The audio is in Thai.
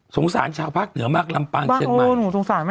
ชาวภาคเหนือมากลำปางเชียงใหม่